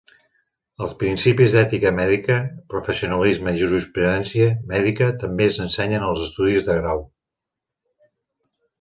Els principis d'ètica mèdica, professionalisme i jurisprudència mèdica també s'ensenyen als estudis de grau.